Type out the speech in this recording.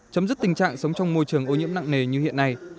chấm dứt tình trạng sống trong môi trường ô nhiễm nặng nề như hiện nay